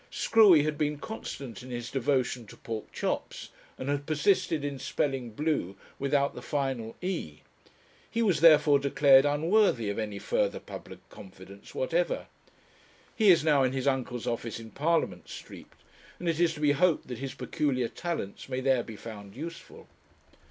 Screwy had been constant in his devotion to pork chops, and had persisted in spelling blue without the final 'e.' He was therefore, declared unworthy of any further public confidence whatever. He is now in his uncle's office in Parliament Street; and it is to be hoped that his peculiar talents may there be found useful.